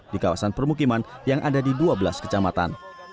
di kawasan permukiman yang ada di dua belas kecamatan